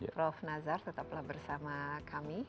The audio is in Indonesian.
prof nazar tetaplah bersama kami